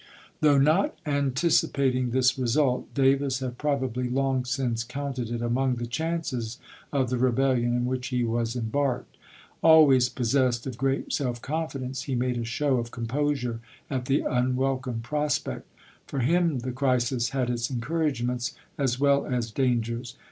Though not anticipating this result, Davis had probably long since counted it among the chances of the rebellion in which he was embarked. Always possessed of great self confidence he made a show of composure at the unwelcome prospect. For him the crisis had its encouragements as well as dan gers.